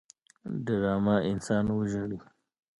ډرامه انسان وژاړي